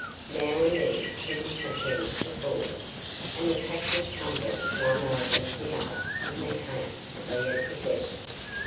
Now and then he would pretend to fall, and the Pack would tumble one over the other in their haste to be at the death.